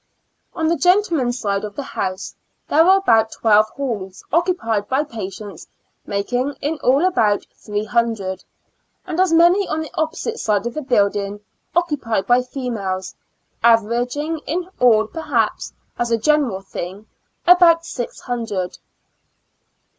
On the gentlemen's side of the house, there are about twelve halls occupied by patients, making in all about three hundred; 54 ^'^^ Years and Four Months and as many on the opposite side of the building occupied by females, averaging in all, perhaps, as a general thing, about six hundred.